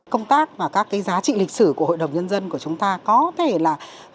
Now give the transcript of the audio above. công tác và các cái giá trị lịch sử của hội đồng nhân dân của chúng ta có thể là